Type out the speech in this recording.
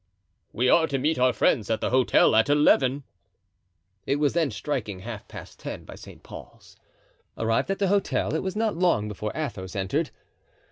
"We are to meet our friends at the hotel at eleven." It was then striking half past ten by St. Paul's. Arrived at the hotel it was not long before Athos entered.